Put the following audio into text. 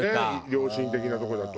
良心的なとこだと。